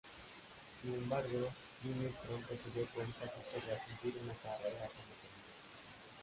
Sin embargo, Jimmy pronto se dio cuenta que quería seguir una carrera como solista.